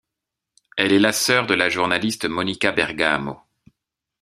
Elle est la sœur de la journaliste Mônica Bergamo.